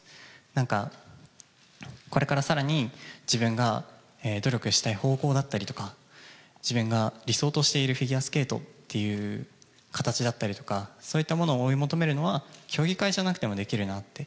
なんか、これからさらに自分が努力したい方向だったりとか、自分が理想としているフィギュアスケートっていう形だったりとか、そういったものを追い求めるのは競技会じゃなくてもできるなって。